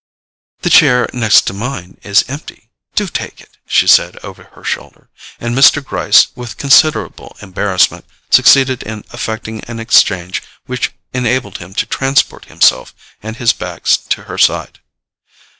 "The chair next to mine is empty—do take it," she said over her shoulder; and Mr. Gryce, with considerable embarrassment, succeeded in effecting an exchange which enabled him to transport himself and his bags to her side.